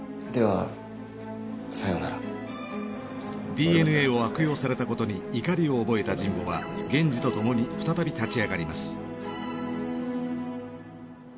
ＤＮＡを悪用されたことに怒りを覚えた神保は源次とともに再び立ち上がります。